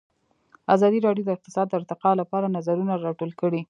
ازادي راډیو د اقتصاد د ارتقا لپاره نظرونه راټول کړي.